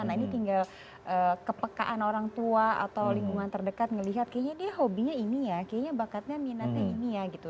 nah ini tinggal kepekaan orang tua atau lingkungan terdekat ngelihat kayaknya dia hobinya ini ya kayaknya bakatnya minatnya ini ya gitu